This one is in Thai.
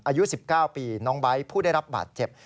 อายุ๑๙ปีน้องไบท์ผู้ได้รับบาดเจ็บ